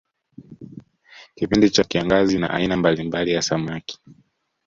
Kipindi cha kiangazi na aina mbalimbali ya samaki